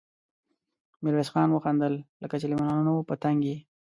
ميرويس خان وخندل: لکه چې له مېلمنو په تنګ يې؟